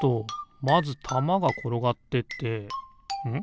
まずたまがころがってってん？